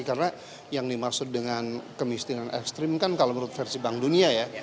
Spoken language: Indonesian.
karena yang dimaksud dengan kemiskinan ekstrim kan kalau menurut versi bank dunia ya